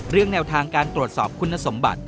แนวทางการตรวจสอบคุณสมบัติ